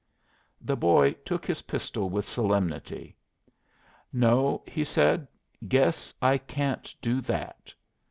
The boy took his pistol with solemnity. "No," he said. "Guess I can't do that."